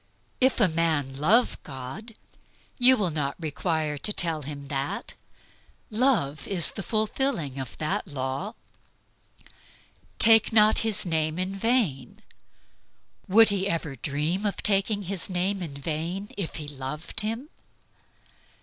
If a man love God, you will not require to tell him that. Love is the fulfilling of that law. "Take not His name in vain." Would he ever dream of taking His name in vain if he loved him?